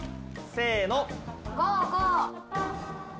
せの。